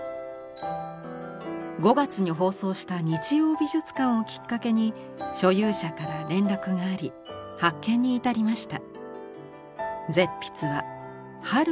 ５月に放送した「日曜美術館」をきっかけに所有者から連絡があり発見に至りました。